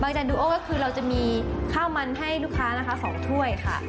จานดูโอก็คือเราจะมีข้าวมันให้ลูกค้านะคะ๒ถ้วยค่ะ